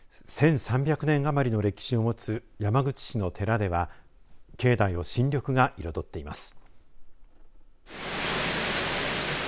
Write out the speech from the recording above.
１３００年余りの歴史を持つ山口市の寺では境内を新緑が彩っています。